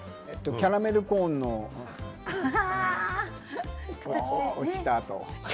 キャラメルコーンの落ちたあと。